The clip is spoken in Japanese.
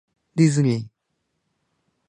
ディズニー